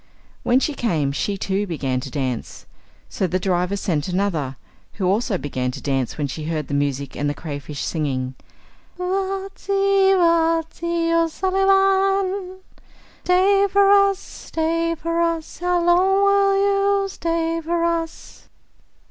When she came, she too began to dance. So the driver sent another, who also began to dance when she heard the music and the cray fish singing: Vaitsi, Vaitsi, O sulli Van. Stay for us, stay for us, how long will you stay for us?